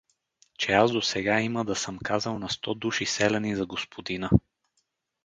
— Че аз досега има да съм казал на сто души селяни за господина.